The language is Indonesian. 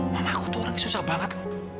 mama aku tuh orang yang susah banget